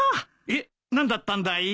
えっ何だったんだい？